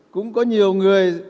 cũng có nhiều người